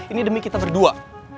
ini demi kita berdua